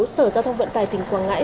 sở giao thông vận tải tỉnh quảng ngãi